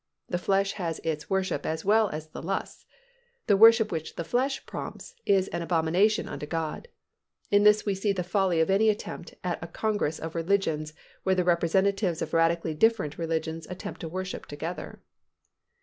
The flesh has its worship as well as its lusts. The worship which the flesh prompts is an abomination unto God. In this we see the folly of any attempt at a congress of religions where the representatives of radically different religions attempt to worship together.